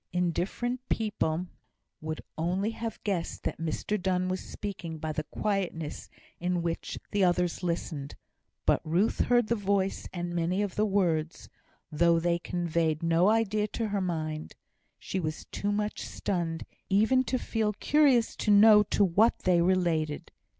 Indifferent people would only have guessed that Mr Donne was speaking by the quietness in which the others listened; but Ruth heard the voice and many of the words, though they conveyed no idea to her mind. She was too much stunned even to feel curious to know to what they related.